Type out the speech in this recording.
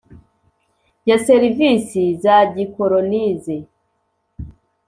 Ya serivisi za gikoronize